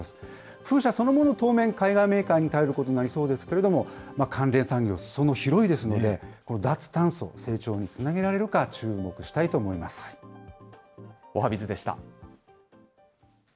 風車そのものは当面、海外メーカーに頼ることになりそうですけれども、関連産業、すそ野広いんですので、脱炭素を成長につなげらおはＢｉｚでした。